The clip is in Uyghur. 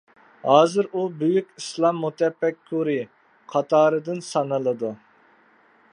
ھازىر ئۇ بۈيۈك ئىسلام مۇتەپەككۇرى قاتارىدىن سانىلىدۇ.